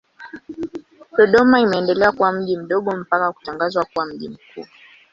Dodoma imeendelea kuwa mji mdogo mpaka kutangazwa kuwa mji mkuu.